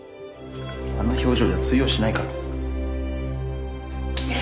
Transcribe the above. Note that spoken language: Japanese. あんな表情じゃ通用しないから。